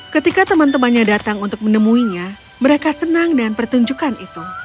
ketika teman temannya datang untuk menemuinya mereka senang dengan pertunjukan itu